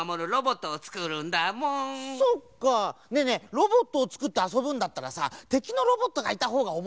ロボットをつくってあそぶんだったらさてきのロボットがいたほうがおもしろいんじゃない？